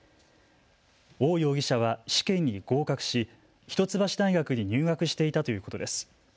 王容疑者は試験に合格し一橋大学に入学していたということです。